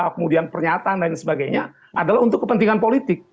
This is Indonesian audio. kemudian pernyataan dan sebagainya adalah untuk kepentingan politik